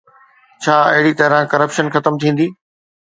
ڇا اهڙي طرح ڪرپشن ختم ٿيندي؟